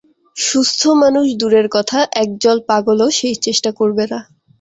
সুস্থ মানুষ দূরের কথা, এক জল পাগলও সেই চেষ্টা করবে না।